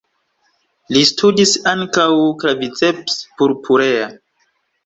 Li studis ankaŭ "Claviceps purpurea.